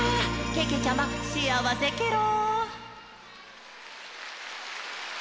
けけちゃま、しあわせケロ！」